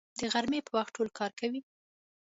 د غرمې په وخت ټول کار کوي